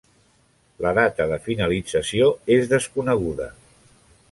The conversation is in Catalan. La data de finalització és desconeguda.